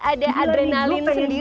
ada adrenalin sendiri ya